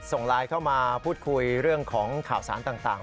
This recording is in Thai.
ส่งไลน์เข้ามาพูดคุยเรื่องของข่าวสารต่าง